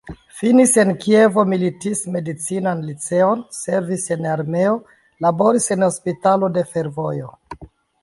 Finis en Kievo militist-medicinan liceon, servis en armeo, laboris en hospitalo de fervojoj.